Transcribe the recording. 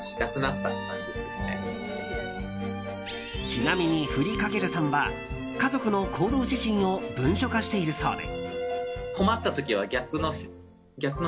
ちなみにＦＲＥＥ×さんは「家族の行動指針」を文書化しているそうで。